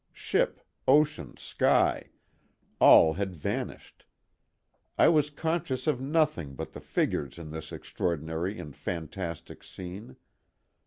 Ship, ocean, sky—all had vanished. I was conscious of nothing but the figures in this extraordinary and fantastic scene.